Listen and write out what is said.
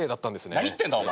何言ってんだお前。